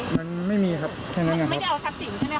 มันไม่มีครับใช่ไหมไม่ได้เอาทรัพย์สินใช่ไหมค